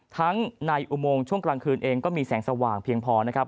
ทั้งในอุโมงช่วงกลางคืนเองก็มีแสงสว่างเพียงพอนะครับ